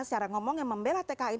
secara ngomongnya membelah tkn